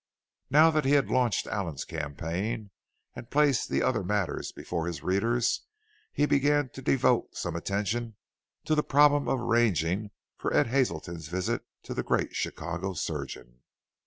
Now that he had launched Allen's campaign and placed the other matters before his readers, he began to devote some attention to the problem of arranging for Ed Hazelton's visit to the great Chicago surgeon.